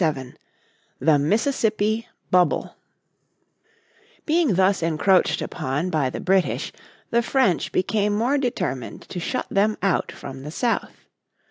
__________ Chapter 47 The Mississippi Bubble Being thus encroached upon by the British the French became more determined to shut them out from the south.